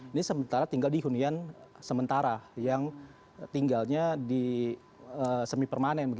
ini sementara tinggal di hunian sementara yang tinggalnya di semi permanen